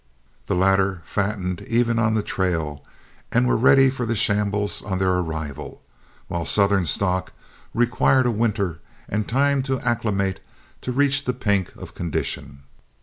The latter fattened even on the trail and were ready for the shambles on their arrival, while Southern stock required a winter and time to acclimate to reach the pink of condition.